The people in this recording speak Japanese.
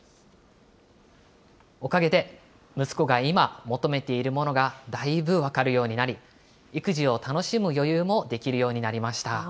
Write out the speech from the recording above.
おかげで、息子が今、求めているものがだいぶ分かるようになり、育児を楽しむ余裕もできるようになりました。